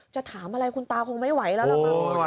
จะถามอะไรคุณตาคงไม่ไหวแล้วหรือเปล่า